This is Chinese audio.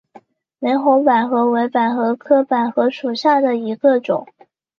玫红百合为百合科百合属下的一个种。